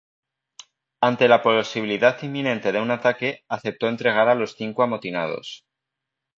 Ante la posibilidad inminente de un ataque, aceptó entregar a los cinco amotinados.